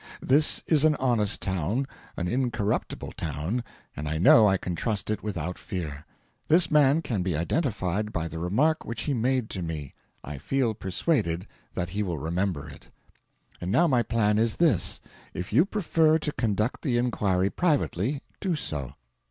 This is an honest town, an incorruptible town, and I know I can trust it without fear. This man can be identified by the remark which he made to me; I feel persuaded that he will remember it. "And now my plan is this: If you prefer to conduct the inquiry privately, do so.